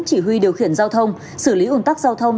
chỉ huy điều khiển giao thông xử lý ủn tắc giao thông